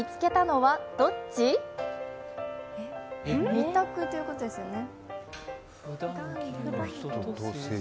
２択ということですよね。